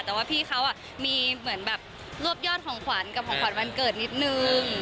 แต่ว่าพี่เขามีเหมือนแบบรวบยอดของขวัญกับของขวัญวันเกิดนิดนึง